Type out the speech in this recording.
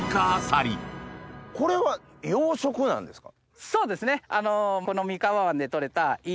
これは養殖なんですか？